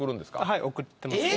はい送ってます